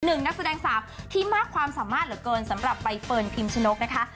นักแสดงสาวที่มากความสามารถเหลือเกินสำหรับใบเฟิร์นพิมชนกนะคะ